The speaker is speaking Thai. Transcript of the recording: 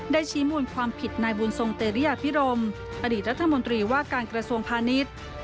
ชี้มูลความผิดนายบุญทรงเตรียพิรมอดีตรัฐมนตรีว่าการกระทรวงพาณิชย์